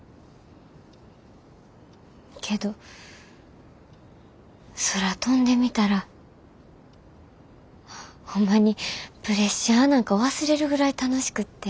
けど空飛んでみたらホンマにプレッシャーなんか忘れるぐらい楽しくって。